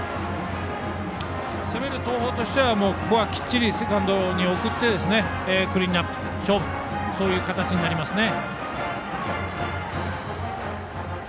攻める東邦としてはここはきっちりセカンドに送ってクリーンナップ勝負という形ですね。